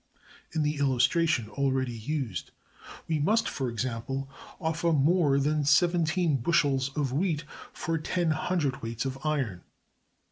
In the illustration already used, we must, for example, offer more than seventeen bushels of wheat for ten cwts. of iron.